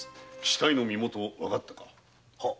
死体の身元わかったか？